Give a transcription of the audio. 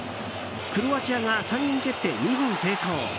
クロアチアが３人蹴って２本成功。